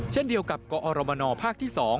เช่นเดียวกับกอรมนภาคที่๒